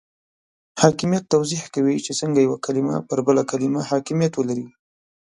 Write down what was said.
حاکمیت توضیح کوي چې څنګه یوه کلمه پر بله کلمه حاکمیت ولري.